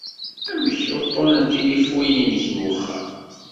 Amek uṭṭun n tilifu-inek n wexxam?